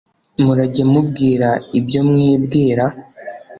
Murajye mubwira ibyo mwibwira